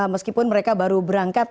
meskipun mereka baru berangkat